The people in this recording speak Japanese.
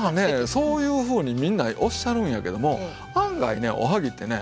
そういうふうにみんなおっしゃるんやけども案外ねおはぎってね